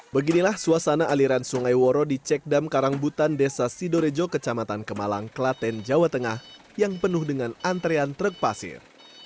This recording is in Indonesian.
beginilah suasana aliran sungai woro di cekdam karangbutan desa sidorejo kecamatan kemalang klaten jawa tengah yang penuh dengan antrean truk pasir